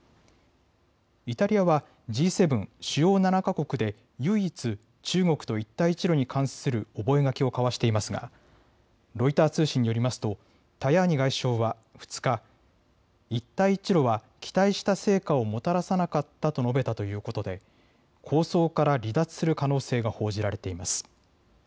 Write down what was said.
イタリアはＧ７・主要７か国で唯一、中国と一帯一路に関する覚書を交わしていますがロイター通信によりますとタヤーニ外相は２日、一帯一路は期待した成果をもたらさなかったと述べたということで構想から離脱する可能性が報じられています。